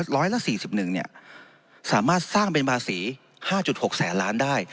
ร้อยละ๔๑สามารถสร้างเป็นภาษี๕๖แสนล้านได้